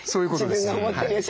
自分が思ってるより。